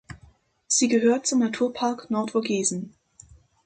Sie gehört zum Naturpark Nordvogesen.